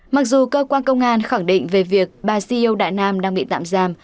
mặc dù cơ quan công an khẳng định về việc bà ceo đại nam đang bị tạm giam